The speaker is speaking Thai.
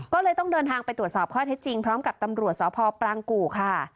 ก็เลยต้องเดินทางไปตรวจสอบข้อเท็จจริงพร้อมกับตำรวจสพปรางกู่ค่ะ